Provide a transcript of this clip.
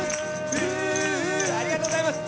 ありがとうございます。